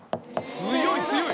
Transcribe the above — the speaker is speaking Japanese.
強い強い。